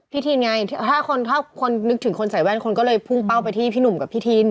ทินไงถ้าคนนึกถึงคนใส่แว่นคนก็เลยพุ่งเป้าไปที่พี่หนุ่มกับพี่ทิน